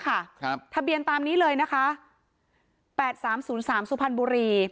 ครับทะเบียนตามนี้เลยนะคะแปดสามศูนย์สามสุพรรณบุรี